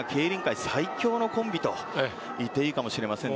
まずは脇本、古性という今、競輪界最強のコンビと言っていいかもしれませんね。